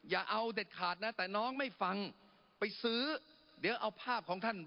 อย่าเอาเด็ดขาดนะแต่น้องไม่ฟังไปซื้อเดี๋ยวเอาภาพของท่าน